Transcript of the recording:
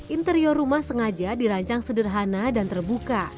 interior rumah sengaja dirancang sederhana dan terbuka